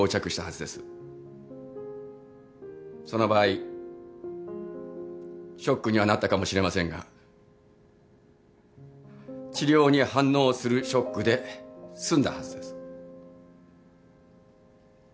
その場合ショックにはなったかもしれませんが治療に反応するショックで済んだはずです。